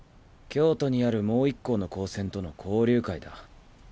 京都にあるもう一校の高専との交流会だ。